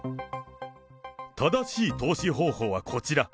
正しい投資方法はこちら。